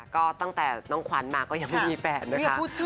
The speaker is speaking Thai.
ก็ตั้งแต่น้องขวัญมาก็ยังไม่มีแฟนนะคะ